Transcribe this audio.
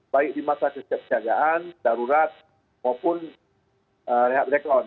baik di masa kesiapsiagaan darurat maupun rehat rekon